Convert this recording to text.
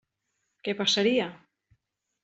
Què passaria?